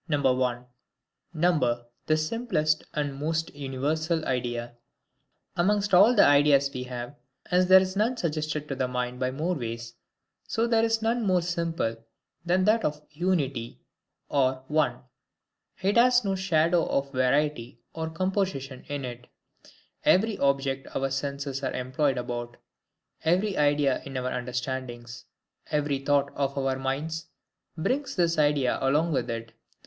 Number the simplest and most universal Idea. Amongst all the ideas we have, as there is none suggested to the mind by more ways, so there is none more simple, than that of UNITY, or one: it has no shadow of variety or composition in it: every object our senses are employed about; every idea in our understandings; every thought of our minds, brings this idea along with it.